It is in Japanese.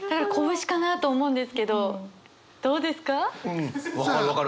うん分かる分かる。